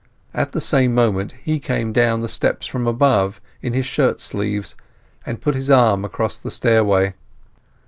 At the same moment he came down his steps from above in his shirt sleeves and put his arm across the stairway.